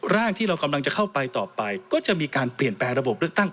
ร่างที่เรากำลังจะเข้าไปต่อไปก็จะมีการเปลี่ยนแปลงระบบเลือกตั้ง